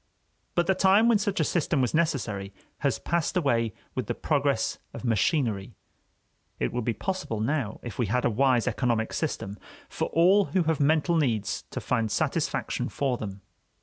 But the time when such a system was necessary has passed away with the progress of machinery. It would be possible now, if we had a wise economic system, for all who have mental needs to find satisfaction for them.